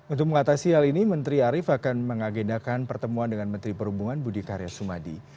untuk mengatasi hal ini menteri arief akan mengagendakan pertemuan dengan menteri perhubungan budi karya sumadi